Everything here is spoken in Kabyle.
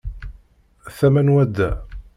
Tama n wadda.